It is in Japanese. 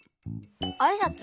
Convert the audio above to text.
あいさつ？